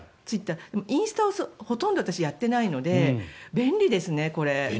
インスタはほとんど私、やっていないので便利ですね、これ。